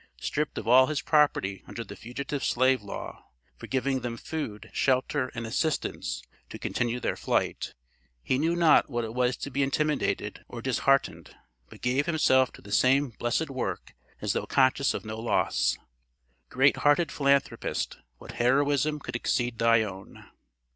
Stripped of all his property under the Fugitive Slave law, for giving them food, shelter, and assistance to continue their flight, he knew not what it was to be intimidated or disheartened, but gave himself to the same blessed work as though conscious of no loss. Great hearted philanthropist, what heroism could exceed thy own?